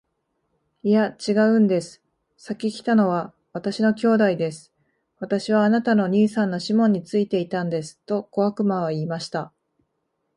「いや、ちがうんです。先来たのは私の兄弟です。私はあなたの兄さんのシモンについていたんです。」と小悪魔は言いました。